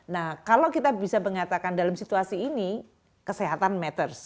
nah kalau kita bisa mengatakan dalam situasi ini kesehatan matters